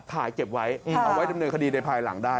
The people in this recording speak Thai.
ถ่ายเก็บไว้เอาไว้ดำเนินคดีในภายหลังได้